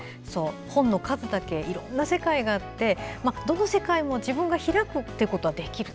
本の数だけいろんな世界があってどの世界も自分が開くことはできる。